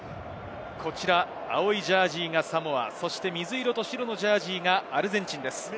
青いジャージーがサモア、水色と白のジャージーがアルゼンチンです。